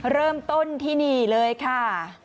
เริ่มต้นที่นี่เลยค่ะ